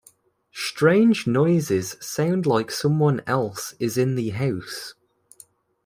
Strange noises sound like someone else is in the house.